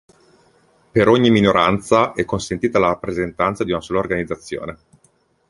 Per ogni minoranza è consentita la rappresentanza di una sola organizzazione.